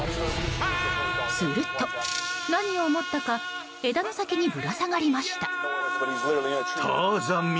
すると、何を思ったか枝の先にぶら下がりました。